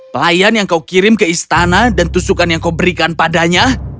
pelayan yang kau kirim ke istana dan tusukan yang kau berikan padanya